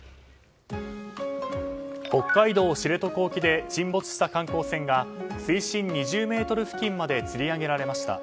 北海道知床沖で沈没した観光船が水深２０ｍ付近までつり上げられました。